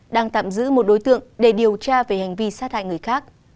đang tạm giữ một đối tượng để điều tra về hành vi sát hại người khác